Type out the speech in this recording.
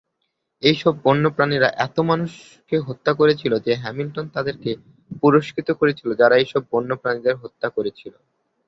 এই সব বন্য প্রাণীরা এত মানুষকে হত্যা করেছিল, যে হ্যামিল্টন তাদেরকে পুরস্কৃত করেছিল যারা এই সব বন্য প্রাণীদের হত্যা করেছিল।